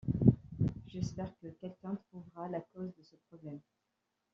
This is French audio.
j'espère que quelqu'un trouvera la cause de ce problème